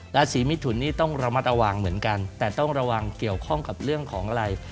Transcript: ราศีมิถุนนี่ต้องระมัดระวังเหมือนกันแต่ต้องระวังเกี่ยวข้องกับเรื่องของอะไร